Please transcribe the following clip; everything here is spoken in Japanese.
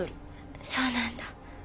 そうなんだ。